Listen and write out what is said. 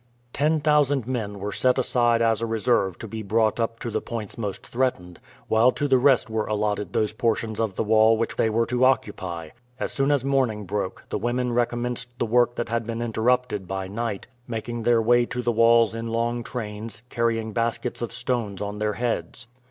Ten thousand men were set aside as a reserve to be brought up to the points most threatened, while to the rest were allotted those portions of the wall which they were to occupy. As soon as morning broke the women recommenced the work that had been interrupted by night, making their way to the walls in long trains, carrying baskets of stones on their heads.